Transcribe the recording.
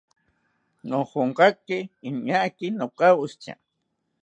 Nojonkaki iñaaki nokawoshitya